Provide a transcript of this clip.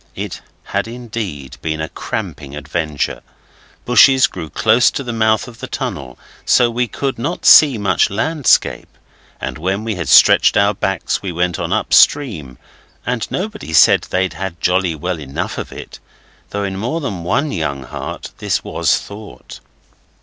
It had indeed been a cramping adventure. Bushes grew close to the mouth of the tunnel, so we could not see much landscape, and when we had stretched our backs we went on upstream and nobody said they'd had jolly well enough of it, though in more than one young heart this was thought.